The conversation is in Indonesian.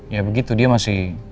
ya begitu dia masih